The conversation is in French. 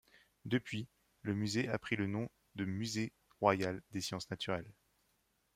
Depuis, le musée a pris le nom de Musée royal des sciences naturelles.